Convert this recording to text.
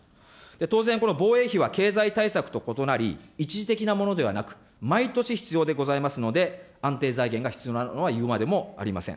当然、この防衛費は経済対策と異なり、一時的なものではなく、毎年必要でございますので、安定財源が必要なのはいうまでもありません。